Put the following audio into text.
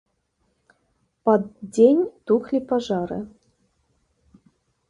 Пад дзень тухлі пажары.